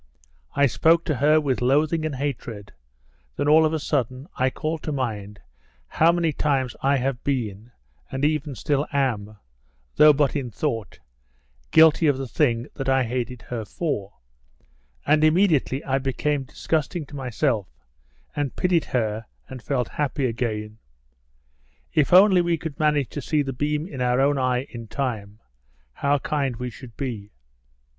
I spoke to her with loathing and hatred, then all of a sudden I called to mind how many times I have been, and even still am, though but in thought, guilty of the thing that I hated her for, and immediately I became disgusting to myself, and pitied her and felt happy again. If only we could manage to see the beam in our own eye in time, how kind we should be."